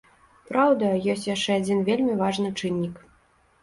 Праўда, ёсць яшчэ адзін вельмі важны чыннік.